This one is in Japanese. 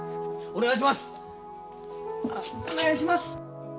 お願いします。